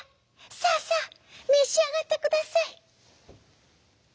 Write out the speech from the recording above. さあさあめしあがってください」。